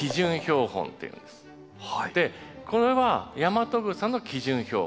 それがこれはヤマトグサの基準標本。